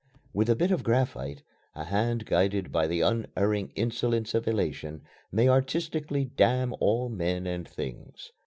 With a bit of graphite a hand guided by the unerring insolence of elation may artistically damn all men and things.